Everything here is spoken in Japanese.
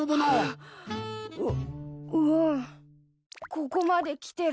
ここまで来てる。